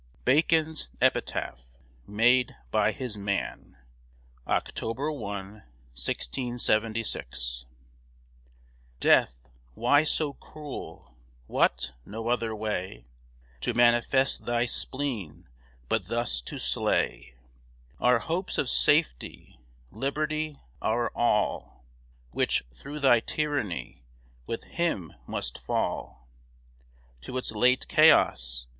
BACON'S EPITAPH, MADE BY HIS MAN [October 1, 1676] Death, why so cruel? What! no other way To manifest thy spleen, but thus to slay Our hopes of safety, liberty, our all, Which, through thy tyranny, with him must fall To its late chaos?